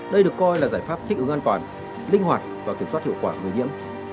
đây được coi là giải pháp thích ứng an toàn linh hoạt và kiểm soát hiệu quả người nhiễm